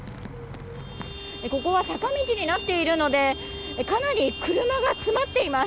ここは坂道になっているのでかなり車が詰まっています。